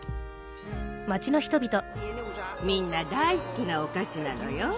みんな大好きなお菓子なのよ。